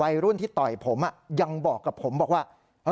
วัยรุ่นที่ต่อยผมยังบอกกับผมบอกว่า